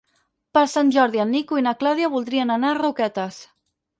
Per Sant Jordi en Nico i na Clàudia voldrien anar a Roquetes.